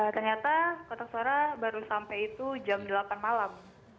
ternyata kotak suara baru sampai itu jam delapan malam